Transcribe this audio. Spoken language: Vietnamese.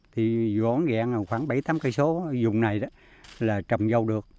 thì vốn ghẹn khoảng bảy tám km dùng này là trồng dâu được